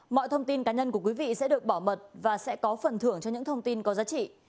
mọi thông tin cá nhân của quý vị sẽ được bảo mật và sẽ có phần thưởng cho những thông tin có giá trị